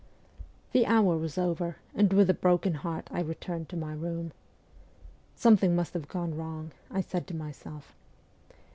The hour was over, and with a broken heart I returned to my room. ' Something must have gone wrong,' I said to myself.